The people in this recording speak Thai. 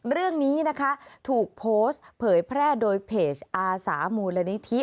เรื่องนี้นะคะถูกโพสต์เผยแพร่โดยเพจอาสามูลนิธิ